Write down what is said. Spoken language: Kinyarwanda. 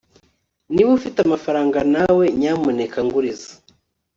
niba ufite amafaranga nawe, nyamuneka nguriza